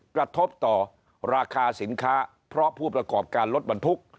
กระทบต่อราคาสินค้าเพราะผู้ประกอบการรถบรรทุก